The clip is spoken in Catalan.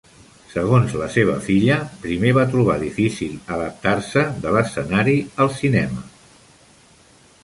Segons la seva filla, primer va trobar difícil adaptar-se de l'escenari al cinema.